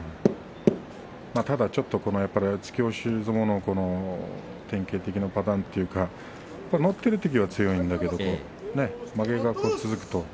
ちょっと突き押し相撲の典型的なパターンというか乗っているときは強いんだけれども。